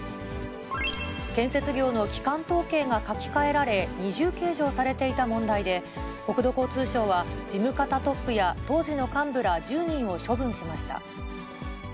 建設業の基幹統計が書き換えられ、二重計上されていた問題で、国土交通省は、事務方トップや当時の幹部ら１０人を処分しました。